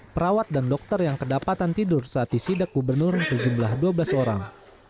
perawat dan dokter yang kedapatan tidur saat disidak gubernur berjumlah dua belas orang